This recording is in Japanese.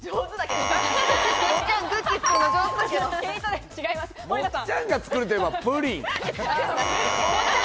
もっちゃんが作ると言ったらプリン。